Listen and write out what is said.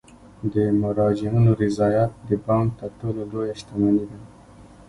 د مراجعینو رضایت د بانک تر ټولو لویه شتمني ده.